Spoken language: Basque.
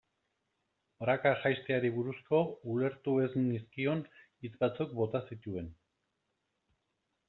Praka jaisteari buruzko ulertu ez nizkion hitz batzuk bota zituen.